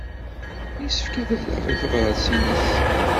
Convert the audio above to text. Yessefk ad rreɣ i tebṛat-nnes.